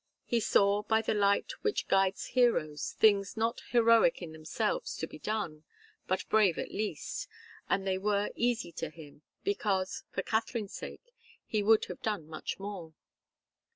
He saw by the light which guides heroes, things not heroic in themselves to be done, but brave at least, and they were easy to him, because, for Katharine's sake, he would have done much more.